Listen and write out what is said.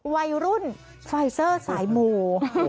วัยรุ่นไฟเซอร์สายหมู่